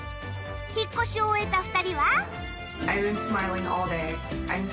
引っ越しを終えた２人は。